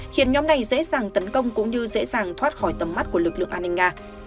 khiến nhóm này dễ dàng tấn công cũng như dễ dàng thoát khỏi tầm mắt của lực lượng an ninh nga